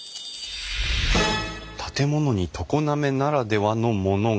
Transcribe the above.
「建物に常滑ならではのものが！